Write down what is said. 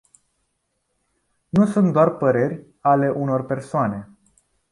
Nu sunt doar păreri ale unor persoane.